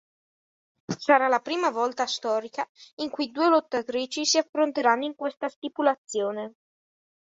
Sarà la prima volta storica in cui due lottatrici si affronteranno in questa stipulazione.